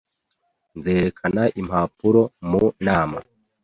Nzerekana impapuro mu nama